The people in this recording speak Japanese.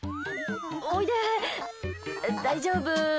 おいで、大丈夫。